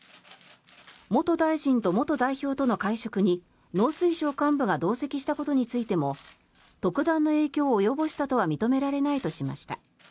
元大臣と元代表との会食に農水省幹部が同席したことについても特段の影響を及ぼしたとは認められないとしました。